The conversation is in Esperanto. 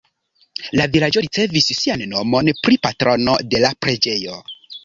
La vilaĝo ricevis sian nomon pri patrono de la preĝejo.